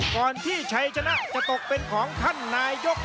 ก่อนที่ชัยชนะจะตกเป็นของท่านนายก